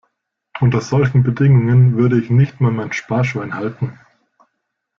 Unter solchen Bedingungen würde ich nicht mal mein Sparschwein halten.